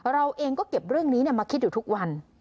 เราเองก็เก็บเรื่องนี้มาคิดอยู่ทุกวัน